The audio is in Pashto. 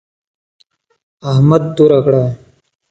احمد توره کړه.